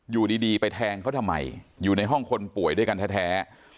อยู่ดีไปแทงเขาทำไมอยู่ในห้องคนป่วยด้วยกันแท้